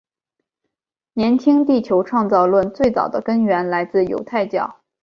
年轻地球创造论最早的根源来自犹太教。